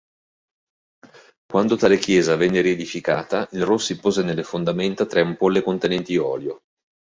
Quando tale chiesa venne riedificata il Rossi pose nelle fondamenta tre ampolle contenenti olio.